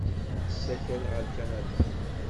Yessakel ɣer Kanada.